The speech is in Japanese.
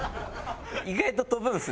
意外と飛ぶんですね。